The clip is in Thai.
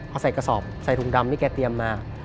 พอใส่กระสอบใส่ถุงดำที่แกเตรียมมา